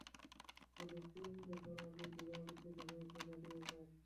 ওদের তিন বছর আগে বিবাহবিচ্ছেদ হয়েছে, বাজে ব্যাপার।